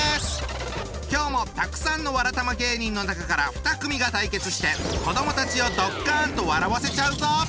今日もたくさんのわらたま芸人の中から２組が対決して子どもたちをドッカンと笑わせちゃうぞ！